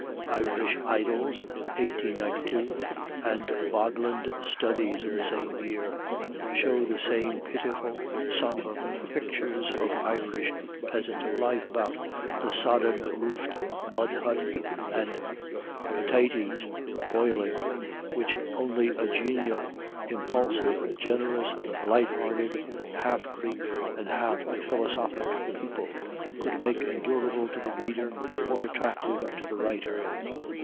'Irish Idyls' (1892), and 'Bogland Studies' (of the same year), show the same pitiful, sombre pictures of Irish peasant life about the sodden roofed mud hut and "pitaties" boiling, which only a genial, impulsive, generous, light hearted, half Greek and half philosophic people could make endurable to the reader or attractive to the writer.